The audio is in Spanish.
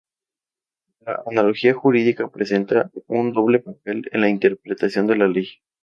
La analogía jurídica presenta un doble papel en la interpretación de la ley.